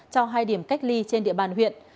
cho hai điểm cách ly trên địa bàn huyện